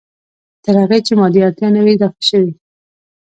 تر هغې چې مادي اړتیا نه وي رفع شوې.